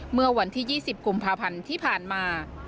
เมื่อวันที่๒๐กุมภาพันธ์ที่ผ่านมา